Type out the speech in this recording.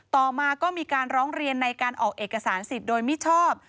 ต่อมาก็มีการร้องเรียนในการออกเอกสารสิทธิ์โดยมิชอบ